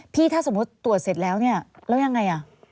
พี่ถ้าสมมติตรวจเสร็จแล้วแล้วยังไง